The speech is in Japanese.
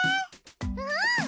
うん！